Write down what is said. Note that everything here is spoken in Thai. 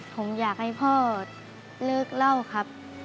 ผมอยากให้พ่อเลิกเล่าครับ